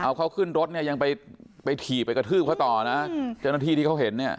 เอาเขาขึ้นรถเนี่ยยังไปไปถีบไปกระทืบเขาต่อนะเจ้าหน้าที่ที่เขาเห็นเนี่ย